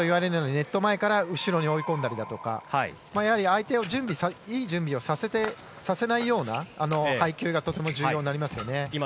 ネット前から後ろに追い込んだりとか相手にいい準備をさせないような配球がとても重要になります。